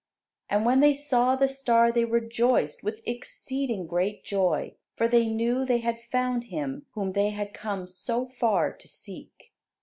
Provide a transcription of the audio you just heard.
And when they saw the star they rejoiced with exceeding great joy, for they knew they had found Him whom they had come so far to seek.